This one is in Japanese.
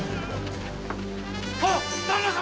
あっ旦那様！